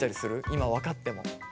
今分かっても。